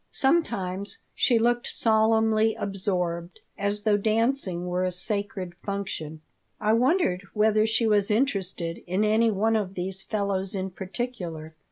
Sometimes she looked solemnly absorbed, as though dancing were a sacred function. I wondered whether she was interested in any one of these fellows in particular.